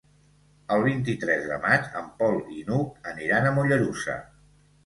El vint-i-tres de maig en Pol i n'Hug aniran a Mollerussa.